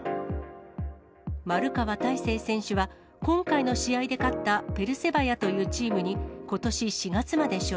丸川太誠選手は、今回の試合で勝ったペルセバヤというチームに、ことし４月まで所